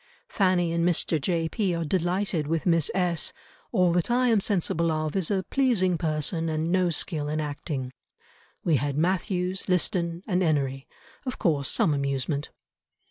Fanny and Mr. J. P. are delighted with Miss S—— all that I am sensible of ... is a pleasing person and no skill in acting. We had Mathews, Liston, and Enery; of course some amusement."